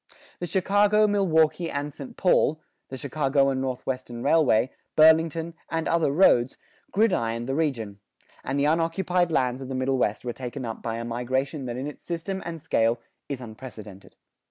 The Chicago, Milwaukee and St. Paul, the Chicago and Northwestern Railway, Burlington, and other roads, gridironed the region; and the unoccupied lands of the Middle West were taken up by a migration that in its system and scale is unprecedented.